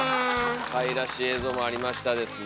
かいらしい映像もありましたですね。